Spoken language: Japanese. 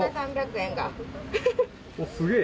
すげえ。